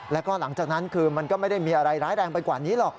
แล้วก็หลังจากนั้นคือมันก็ไม่ได้มีอะไรร้ายแรงไปกว่านี้หรอก